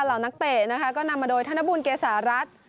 เหล่านักเตะนะคะก็นำมาโดยธนบุญเกษารัฐ